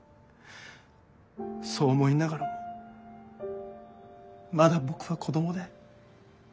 そう思いながらもまだ僕は子どもで。